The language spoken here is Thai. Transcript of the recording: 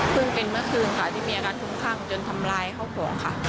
เพิ่งเป็นเมื่อคืนค่ะที่มีอาการพุ่มข้างจนทำร้ายเขาของค่ะ